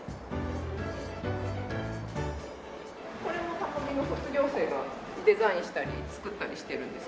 これも多摩美の卒業生がデザインしたり作ったりしてるんです